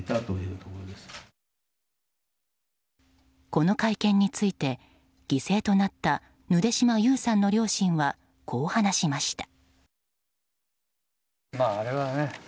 この会見について犠牲となったヌデシマ・ユウさんの両親はこう話しました。